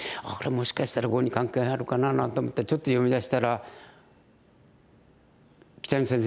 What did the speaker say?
もしかしたら碁に関係あるかななんて思ってちょっと読みだしたら。